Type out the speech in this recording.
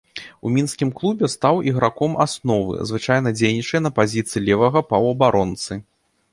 У мінскім клубе стаў іграком асновы, звычайна дзейнічае на пазіцыі левага паўабаронцы.